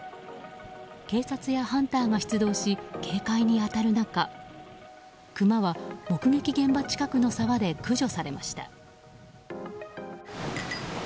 警察やハンターが出動し警戒に当たる中クマは、目撃現場近くの沢で駆除されました。